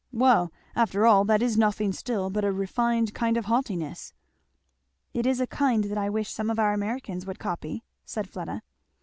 "Well, after all, that is nothing still but a refined kind of haughtiness." "It is a kind that I wish some of our Americans would copy," said Fleda.